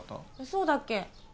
そうだっけ？